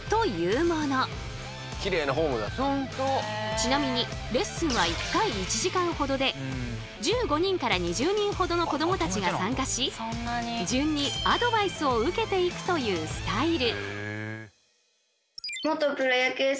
ちなみにレッスンは１回１時間ほどで１５人から２０人ほどの子どもたちが参加し順にアドバイスを受けていくというスタイル。